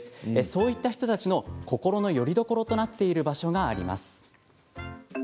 そういった人たちの心のよりどころとなっている場所があります。